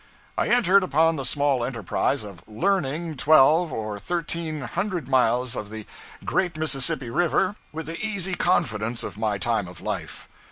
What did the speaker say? I entered upon the small enterprise of 'learning' twelve or thirteen hundred miles of the great Mississippi River with the easy confidence of my time of life.